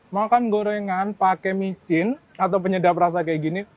makan gorengan pakai micin atau penyedap rasa kayak gini